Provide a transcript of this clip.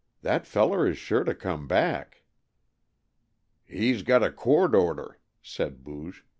That feller is sure to come back." "He's got a court order," said Booge.